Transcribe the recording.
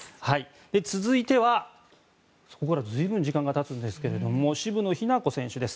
続いては随分時間が経つんですが渋野日向子選手です。